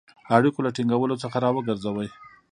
اړیکو له ټینګولو څخه را وګرځوی.